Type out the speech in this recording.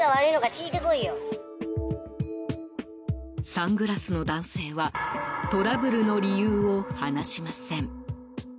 サングラスの男性はトラブルの理由を話しません。